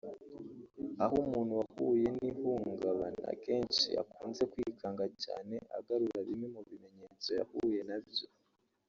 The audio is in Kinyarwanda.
Aho umuntu wahuye n’ihungabana kenshi akunze kwikanga cyane agarura bimwe mu bimenyetso yahuye na byo